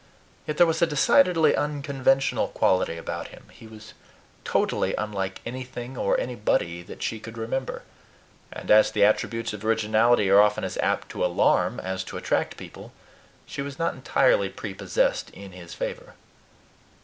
Yet there was a decidedly unconventional quality about him: he was totally unlike anything or anybody that she could remember; and as the attributes of originality are often as apt to alarm as to attract people, she was not entirely prepossessed in his favor.